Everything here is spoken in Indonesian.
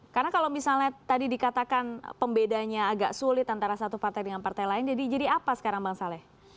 karena kalau misalnya tadi dikatakan pembedanya agak sulit antara satu partai dengan partai lain jadi apa sekarang bang saleh